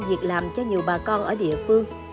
việc làm cho nhiều bà con ở địa phương